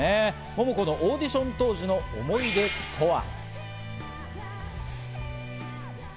モモコのオーディション当時の思い出とは？